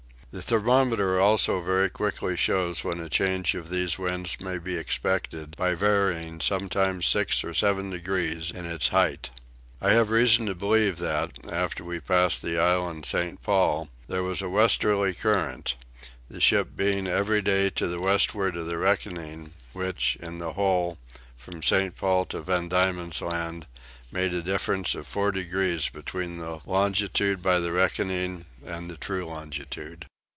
The thermometer also very quickly shows when a change of these winds may be expected by varying sometimes six and seven degrees in its height. I have reason to believe that, after we passed the island St. Paul, there was a westerly current; the ship being every day to the westward of the reckoning, which in the whole, from St. Paul to Van Diemen's land, made a difference of four degrees between the longitude by the reckoning and the true longitude.